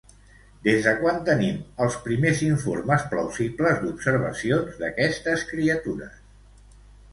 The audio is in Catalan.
Des de quan tenim els primers informes plausibles d'observacions d'aquestes criatures?